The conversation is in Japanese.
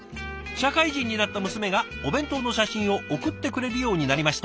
「社会人になった娘がお弁当の写真を送ってくれるようになりました。